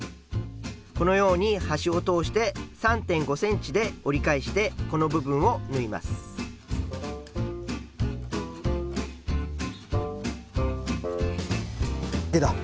このように端を通して３．５ｃｍで折り返してこの部分を縫います。